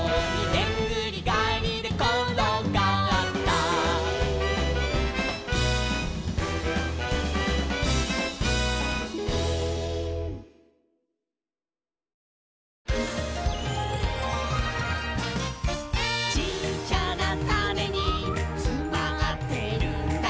「でんぐりがえりでころがった」「ちっちゃなタネにつまってるんだ」